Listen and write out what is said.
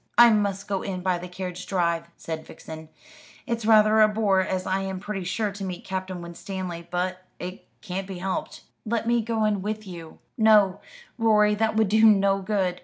"I must go in by the carriage drive," said Vixen. "It's rather a bore, as I am pretty sure to meet Captain Winstanley. But it can't be helped." "Let me go in with you." "No, Rorie; that would do no good.